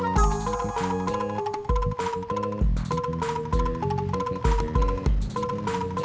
bisa titip jual ke cimpring